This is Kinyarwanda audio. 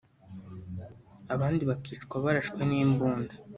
abandi bakicwa barashwe n’imbunda